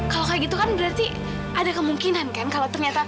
kalau kayak gitu kan berarti ada kemungkinan kan kalau ternyata